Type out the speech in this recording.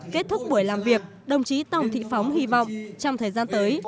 kết thúc buổi làm việc đồng chí tòng thị phóng hy vọng trong thời gian tới